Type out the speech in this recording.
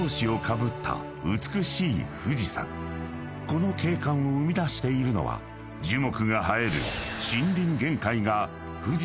［この景観を生み出しているのは樹木が生える］